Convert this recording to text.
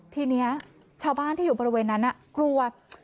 ทีนี้ชาวบ้านที่อยู่บริเวณนั้นกลัว